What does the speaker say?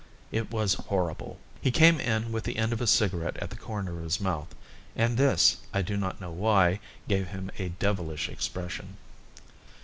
It was horrible. He came in with the end of a cigarette at the corner of his mouth, and this, I do not know why, gave him a devilish expression.